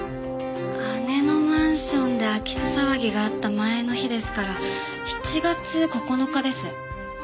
姉のマンションで空き巣騒ぎがあった前の日ですから７月９日です。